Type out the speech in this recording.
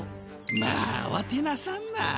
まああわてなさんな。